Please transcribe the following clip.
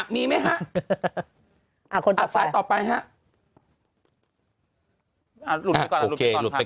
มีไหมค่ะอ่ะคนต่อไปต่อไปค่ะอ่ะหลุดไปก่อนหลุดไปก่อนหลุดไป